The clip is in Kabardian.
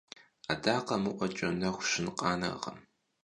Adakher mı'ueç'i nexu şın khanerkhım.